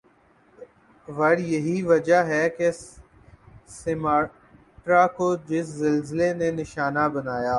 ور یہی وجہ ہی کہ سماٹرا کو جس زلزلی نی نشانہ بنایا